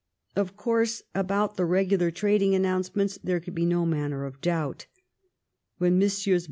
Of course, about the regular trading announcements there could be no manner of doubt. When Messrs.